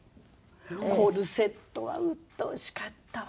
コルセットはうっとうしかったわよ！